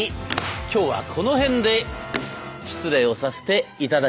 今日はこの辺で失礼をさせていただきます。